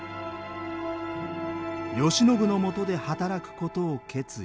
慶喜のもとで働くことを決意。